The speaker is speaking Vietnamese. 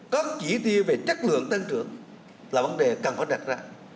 các chỉ tiêu về chất lượng tăng trưởng là vấn đề cần phải đặt ra